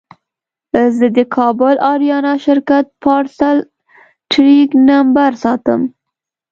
زه د کابل اریانا شرکت پارسل ټرېک نمبر ساتم.